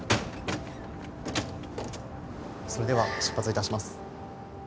それでは出発致します。